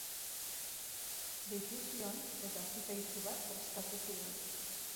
Deitu zion, eta zita itsu bat prestatu zigun.